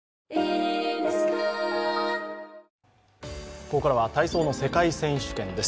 ここからは体操の世界選手権です。